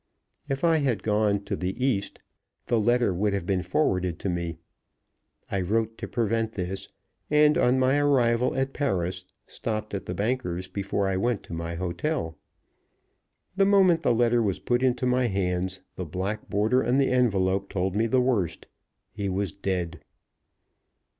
If I had gone to the East, the letter would have been forwarded to me. I wrote to prevent this; and, on my arrival at Paris, stopped at the banker's before I went to my hotel. The moment the letter was put into my hands, the black border on the envelope told me the worst. He was dead.